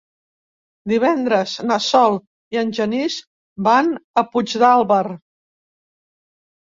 Divendres na Sol i en Genís van a Puigdàlber.